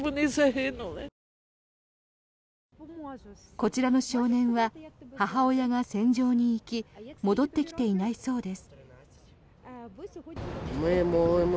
こちらの少年は母親が戦場に行き戻ってきていないそうです。